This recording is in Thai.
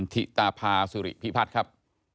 ธิตาพาสิริพิพัฒน์ครับ